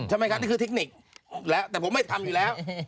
ใช่ไหมครับนี่คือเทคนิคแล้วแต่ผมไม่ทำอยู่แล้ว